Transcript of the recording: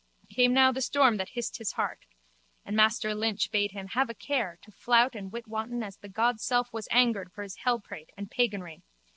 Came now the storm that hist his heart. And Master Lynch bade him have a care to flout and witwanton as the god self was angered for his hellprate and paganry.